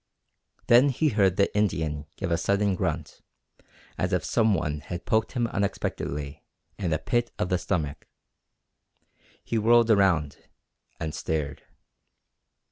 Then he heard the Indian give a sudden grunt, as if some one had poked him unexpectedly in the pit of the stomach. He whirled about, and stared.